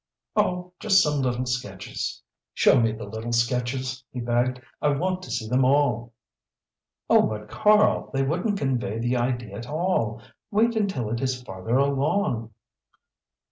"Oh, just some little sketches." "Show me the little sketches," he begged. "I want to see them all." "Oh, but Karl, they wouldn't convey the idea at all. Wait until it is farther along."